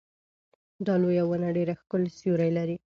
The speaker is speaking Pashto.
دا لویه ونه ډېر ښکلی سیوری لري.